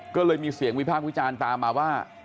ก็เลยมีเสียงวิพากษ์วิจารณ์ตามมาว่า